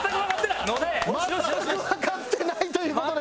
全くわかってないという事です。